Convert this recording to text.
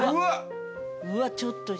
うわっ！